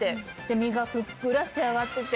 身がふっくら仕上がってて。